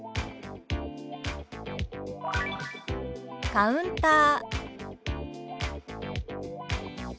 「カウンター」。